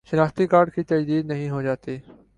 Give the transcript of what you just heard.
شناختی کارڈ کی تجدید نہیں ہوجاتی